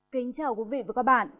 kính chào quý vị và các bạn